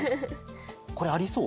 これありそう？